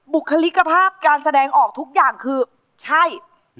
บุคลิกภาพการแสดงออกทุกอย่างคือใช่